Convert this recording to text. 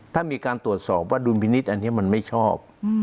ถ้ามีการตรวจสอบว่าดุลพินิษฐ์อันนี้มันไม่ชอบ